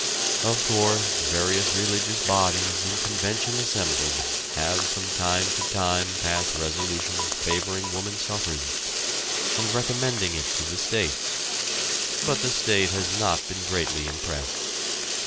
Of course, various religious bodies in convention assembled have from time to time passed resolutions favoring woman suffrage, and recommending it to the state, but the state has not been greatly impressed.